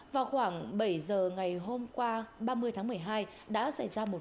vào khoảng bảy giờ ngày hôm qua ba mươi tháng một mươi hai đã xảy ra một vấn đề